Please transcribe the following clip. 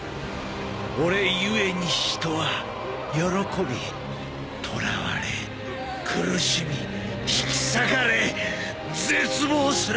俺故に人は喜びとらわれ苦しみ引き裂かれ絶望する！